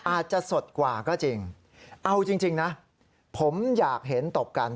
อาจจะสดกว่าก็จริงเอาจริงนะผมอยากเห็นตบกัน